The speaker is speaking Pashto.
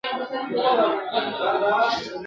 چي هر نوی کفن کښ وي موږ لاس پورته په ښرا یو !.